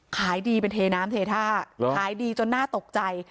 ขายดีเป็นเทน้ำเทท่าขายดีจนน่าตกใจ